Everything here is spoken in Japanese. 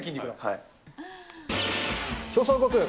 調査報告。